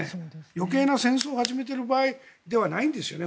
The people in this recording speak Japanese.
余計な戦争を始めてる場合ではないんですよね